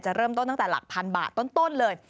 เริ่มต้นตั้งแต่หลักพันบาทต้นเลย